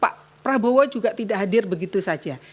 pak prabowo juga tidak hadir begitu saja